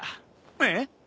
えっ？